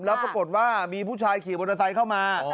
แล้วก็กดว่ามีผู้ชายขี่บนระสัยเข้ามา